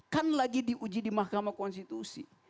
kan lagi diuji di mahkamah konstitusi